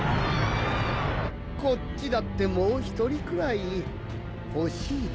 こっちだってもう１人くらい欲しいですよ。